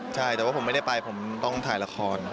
ใช่แต่ว่าผมไม่ได้ไปผมต้องถ่ายละคร